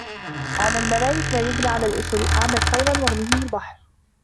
أعلى الممالك ما يبنى على الأسل اعمل خيراً وارمه البحر